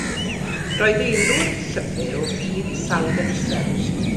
Roedd elw'r llyfr o fudd i sawl elusen.